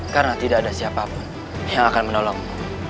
karena tidak ada siapa pun yang akan menolongmu